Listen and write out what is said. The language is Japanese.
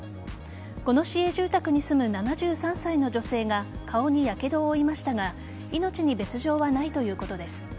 この市営住宅に住む７３歳の女性が顔にやけどを負いましたが命に別条はないということです。